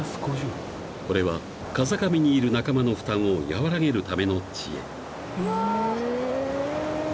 ［これは風上にいる仲間の負担を和らげるための知恵］